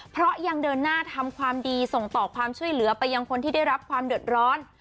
เพราะยังเดินหน้าทำความดีส่งต่อความช่วยเหลือไปยังคนที่ได้รับความเดือดร้อน